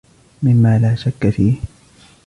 مما لا شكّ فيهِ.